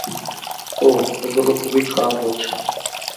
ওহ, এগুলো খুবই খারাপ হচ্ছে।